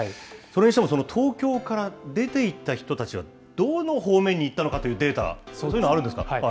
それにしても東京から出ていった人たちはどの方面に行ったのかというデータというのはあるんですか。